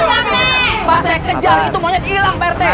pak rt kejar itu monyet ilang pak rt